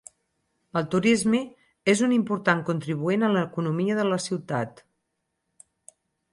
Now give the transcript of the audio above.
El turisme és un important contribuent a l'economia de la ciutat.